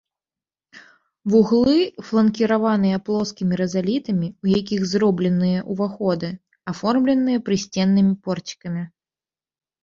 Вуглы фланкіраваныя плоскімі рызалітамі, у якіх зробленыя ўваходы, аформленыя прысценнымі порцікамі.